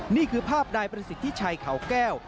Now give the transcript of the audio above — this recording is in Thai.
นี่คือภาพนายประสิทธิชัยเขาแก้ว